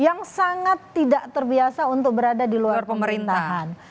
yang sangat tidak terbiasa untuk berada di luar pemerintahan